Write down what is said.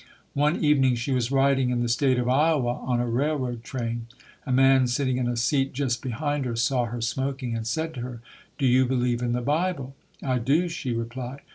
One evening she was riding in the State of Iowa on a railroad train. A man sitting in a seat just behind her saw her smoking and said to her, "Do you believe in the Bible?" "I do", she replied.